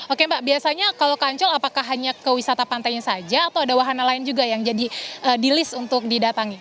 oke mbak biasanya kalau kancol apakah hanya ke wisata pantainya saja atau ada wahana lain juga yang jadi di list untuk didatangi